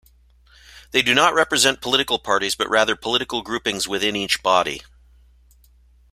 They do not represent political parties but rather political groupings within each body.